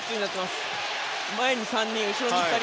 前に３人、後ろに２人。